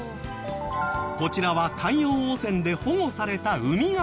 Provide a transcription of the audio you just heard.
こちらは海洋汚染で保護されたウミガメ。